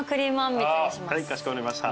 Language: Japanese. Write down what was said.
はいかしこまりました。